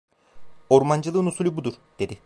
Ormancılığın usulü budur, dedi.